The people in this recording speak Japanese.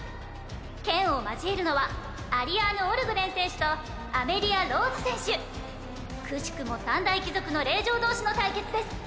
剣を交えるのはアリアーヌ＝オルグレン選手とアメリア＝ローズ選手くしくも三大貴族の令嬢同士の対決です